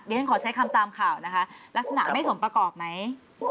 ฉันขอใช้คำตามข่าวนะคะลักษณะไม่สมประกอบไหม